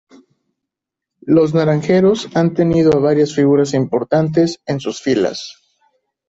Los Naranjeros han tenido a varias figuras importantes en sus filas.